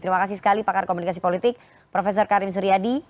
terima kasih sekali pakar komunikasi politik prof karim suryadi